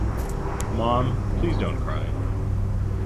Mom, please don’t cry.